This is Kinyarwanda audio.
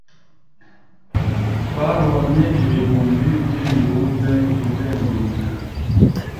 twabonye ibihumbi byimibumbe izenguruka